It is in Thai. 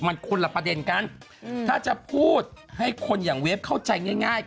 มันคนละประเด็นกันถ้าจะพูดให้คนอย่างเวฟเข้าใจง่าย